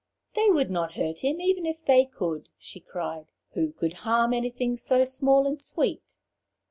'They would not hurt him even if they could,' she cried. 'Who could harm anything so small and sweet?'